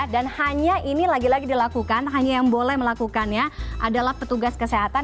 dan hanya ini lagi lagi dilakukan hanya yang boleh melakukannya adalah petugas kesehatan